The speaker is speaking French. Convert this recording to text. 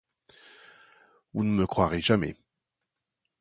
Vous ne me croirez jamais.